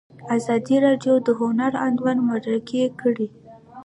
ازادي راډیو د هنر اړوند مرکې کړي.